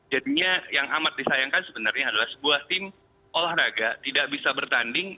jadinya yang amat disayangkan sebenarnya adalah sebuah tim olahraga tidak bisa bertanding